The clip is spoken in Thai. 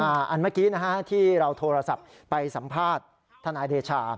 อันเมื่อกี้ที่เราโทรศัพท์ไปสัมภาษณ์ทนายเดชา